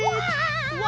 うわ！